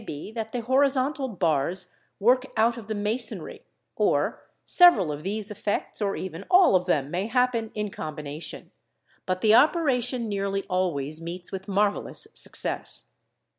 be that the horizontal bars work out of the : masonry, or several of these effects or even all of them may happen in combination; but the operation nearly always meets with marvellous — success.